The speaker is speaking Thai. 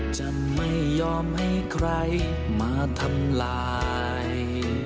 จะไม่ยอมให้ใครมาทำลาย